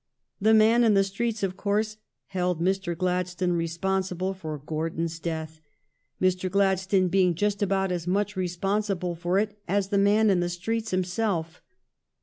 The man in the streets, of course, held Mr. Glad stone responsible for Gordon's death, Mr. Glad stone being just about as much responsible for it as the man in the streets himself.